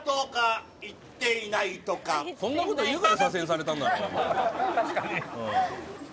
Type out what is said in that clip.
そんなこと言うから左遷されたんだろお前。